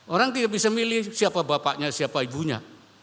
orang tidak bisa milih siapa bapaknya siapa ibunya